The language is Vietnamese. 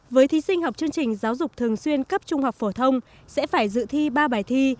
với thí sinh học chương trình giáo dục thường xuyên cấp trung học phổ thông sẽ phải dự thi ba bài thi